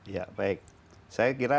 ya baik saya kira